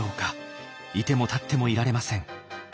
いても立ってもいられません。